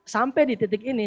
sampai di titik ini